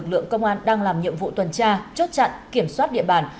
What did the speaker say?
lực lượng công an đang làm nhiệm vụ tuần tra chốt chặn kiểm soát địa bàn